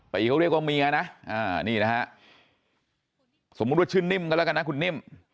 เขาเรียกว่าเมียนะนี่นะฮะสมมุติว่าชื่อนิ่มกันแล้วกันนะคุณนิ่ม